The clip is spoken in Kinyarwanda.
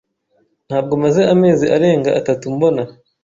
Ntabwo maze amezi arenga atatu mbona .